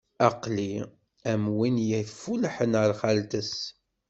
Aql-i am win i yeffulḥen ar xalt-is.